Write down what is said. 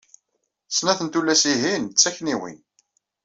Snat n tullas-ihin d takniwin.